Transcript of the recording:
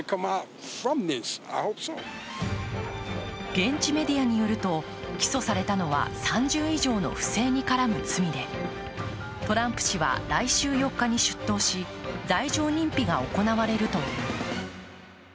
現地メディアによると、起訴されたのは３０以上の不正に絡む罪でトランプ氏は来週４日に出頭し、罪状認否が行われるという。